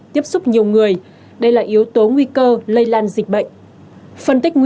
tiếp xúc nhiều người đây là yếu tố nguy cơ lây lan dịch bệnh